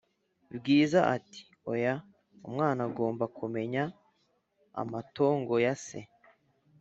Bwiza ati"oya umwana agomba kumenya amatongo Yase "